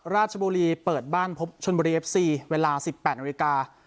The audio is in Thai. ราชบุรีเปิดบ้านพบชนบุรีเอฟซีเวลา๑๘นาฬิกา